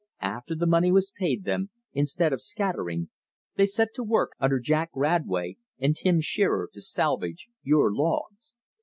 After the money was paid them, instead of scattering, they set to work under Jack Radway and Tim Shearer to salvage your logs.